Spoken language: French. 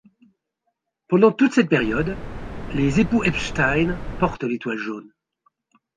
Pendant toute cette période, les époux Epstein portent l'étoile jaune.